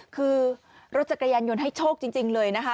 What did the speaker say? คือรถจักรยานยนต์ให้โชคจริงเลยนะคะ